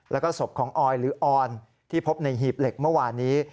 แล้วก็ศพของออยหรือออนที่พบในหีบเหล็กเมื่อวานนี้